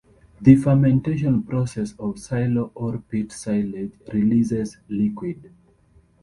The fermentation process of silo or pit silage releases liquid.